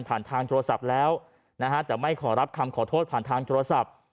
ทางโทรศัพท์แล้วนะฮะแต่ไม่ขอรับคำขอโทษผ่านทางโทรศัพท์